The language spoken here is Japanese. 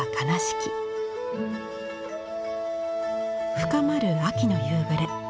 深まる秋の夕暮れ。